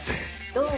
どう？